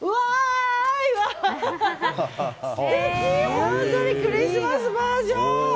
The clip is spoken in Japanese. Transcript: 本当にクリスマスバージョン。